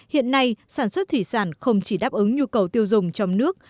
hiện nay sản xuất thủy sản không chỉ đáp ứng nhu cầu tiêu dùng trong nước